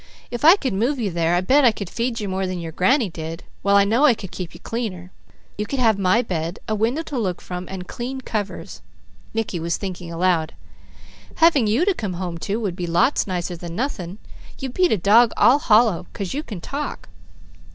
If I could move you there, I bet I could feed you more than your granny did, while I know I could keep you cleaner. You could have my bed, a window to look from, and clean covers." Mickey was thinking aloud. "Having you to come home to would be lots nicer than nothing. You'd beat a dog all hollow, 'cause you can talk.